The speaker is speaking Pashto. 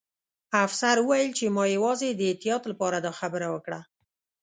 افسر وویل چې ما یوازې د احتیاط لپاره دا خبره وکړه